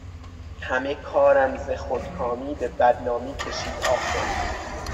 همه کارم ز خود کامی به بدنامی کشید آخر